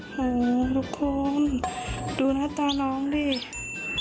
โหทุกคนดูหน้าตาน้องดิ